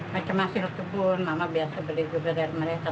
macam masih lukibun mama biasa beli juga dari mereka